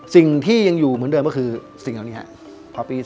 สิ่งที่ยังอยู่เหมือนเดิมก็คือสิ่งเหล่านี้ครับ